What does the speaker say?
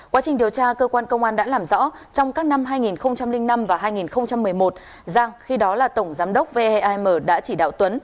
quá trình điều tra cơ quan công an đã làm rõ trong các năm hai nghìn năm và hai nghìn một mươi một giang khi đó là tổng giám đốc veim đã chỉ đạo tuấn